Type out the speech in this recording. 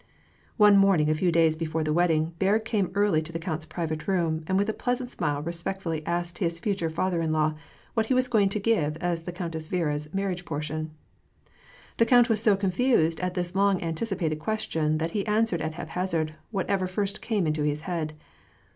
One morning, a few days before the wedding. Berg came early to the count's private room, and with a pleasant smile respectfully asked his future father in law what he was going to give as the Countess Viera's marriage portion. The count was so confused at this long anticipated question that he answered at haphazard whatever first came into his head.